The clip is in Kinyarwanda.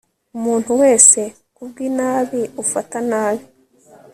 Umuntu wese ku bw inabi ufata nabi